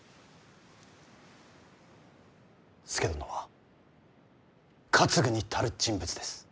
佐殿は担ぐに足る人物です。